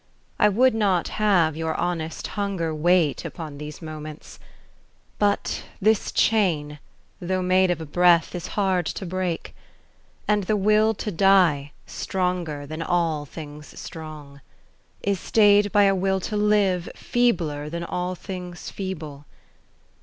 I would not have your honest hunger Wait upon these moments : But this chain, though made of a breath, Is hard to break. And the will to die. Stronger than all things strong. Is stayed by a will to live Feebler than all things feeble.